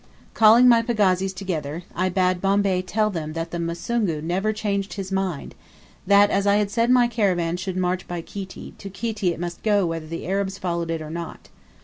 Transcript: Calling my pagazis together, I bade Bombay tell them that the Musuugu never changed his mind; that as I had said my caravan should march by Kiti; to Kiti it must go whether the Arabs followed or not.